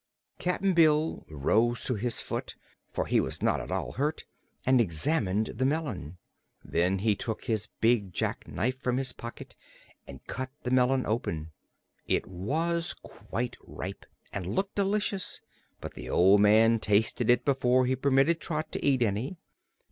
Cap'n Bill rose to his foot, for he was not at all hurt, and examined the melon. Then he took his big jackknife from his pocket and cut the melon open. It was quite ripe and looked delicious; but the old man tasted it before he permitted Trot to eat any.